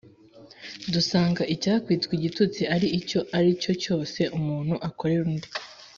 dusanga icyakwirwa igitutsi ari icyo ari cyo cyose umunru akorera undi,